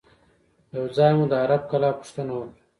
یو ځای مو د عرب کلا پوښتنه وکړه.